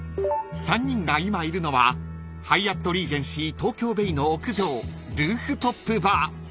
［３人が今いるのはハイアットリージェンシー東京ベイの屋上ルーフトップバー］